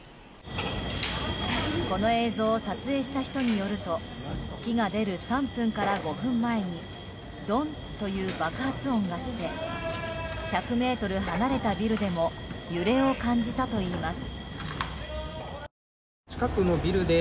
この映像を撮影した人によると火が出る３分から５分前にドンという爆発音がして１００ｍ離れたビルでも揺れを感じたといいます。